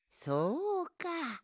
そうか。